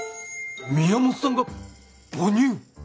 宮本さんが母乳？